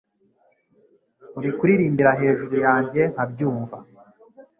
Uri kuririmbira hejuru yanjye nkabyumva